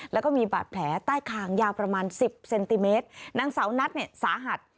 แล้วก็มีบาดแผลใต้คางยาวประมาณสิบเซนติเมตรนางสาวนัทเนี่ยสาหัส